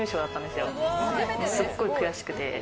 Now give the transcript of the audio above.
すっごい悔しくて。